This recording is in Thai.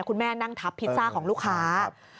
นั่งทับพิซซ่าของลูกค้า